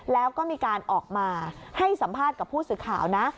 แล้วก็มีการออกมาให้สัมภาษณ์กับผู้สื่อข่าวนะ